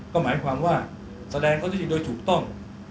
ก็หมายความว่าแสดงเขาที่โดยถูกต้อง